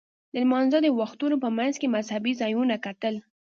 د لمانځه د وختونو په منځ کې مذهبي ځایونه کتل.